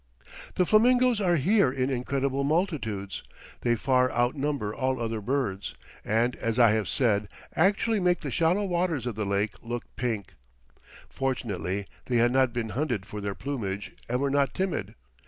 The flamingoes are here in incredible multitudes; they far outnumber all other birds, and as I have said, actually make the shallow waters of the lake look pink. Fortunately they had not been hunted for their plumage and were not timid.